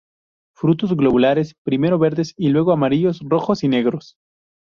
Frutos globulares primero verdes y luego amarillos, rojos y negros.